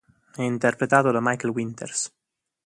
È interpretato da Michael Winters.